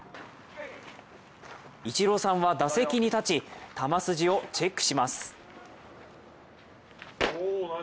イチローさんは打席に立ち球筋をチェックします。